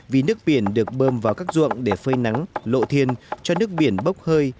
vì nước biển được bơm vào các ruộng để phơi nắng lộ thiên cho nước biển bốc hơi